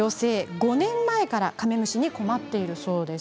５年前からカメムシに困っているそうです。